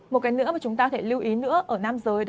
một cái nữa mà chúng ta có thể lưu ý nữa ở nam giới